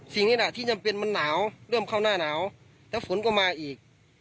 นี่แหละที่จำเป็นมันหนาวเริ่มเข้าหน้าหนาวแล้วฝนก็มาอีก